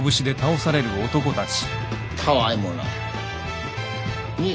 たあいもない。